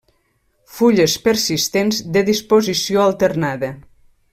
Fulles persistents de disposició alternada.